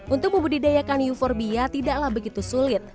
untuk membudidayakan euforbia tidaklah begitu sulit